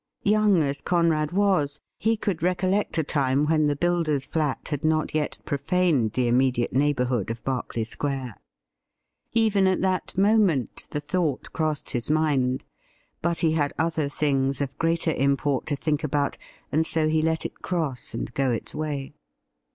Young as Conrad was, he could recollect a time when the builder's flat had not yet profaned the immediate neighbourhood of Berkeley Square. Even at that moment the thought crossed his mind — but he had other things of greater im port to think about, and so he let it cross and go its way.